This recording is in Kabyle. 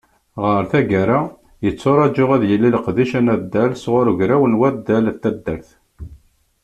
Ɣer taggara, yetturaǧu ad yili leqdic anaddal sɣur Ugraw n waddal n taddart.